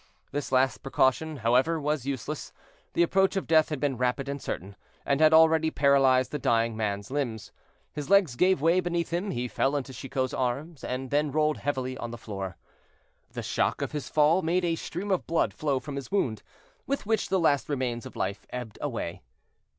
This last precaution, however, was useless; the approach of death had been rapid and certain, and had already paralyzed the dying man's limbs. His legs gave way beneath him, he fell into Chicot's arms, and then rolled heavily on the floor. The shock of his fall made a stream of blood flow from his wound, with which the last remains of life ebbed away.